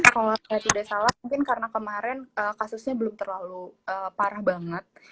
kalau saya tidak salah mungkin karena kemarin kasusnya belum terlalu parah banget